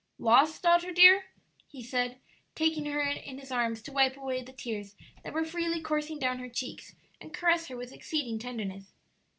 "Loss, daughter dear?" he said, taking her in his arms to wipe away the tears that were freely coursing down her cheeks, and caress her with exceeding tenderness.